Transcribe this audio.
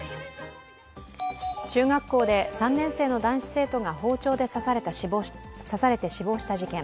中学校で３年生の男子生徒が包丁で刺されて死亡した事件。